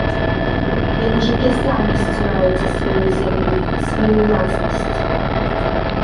І мужыкі самі сцураюцца сваёй зямлі, сваёй уласнасці.